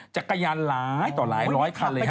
จากกายานหลายต่อหลายหลายคันเลยฮะ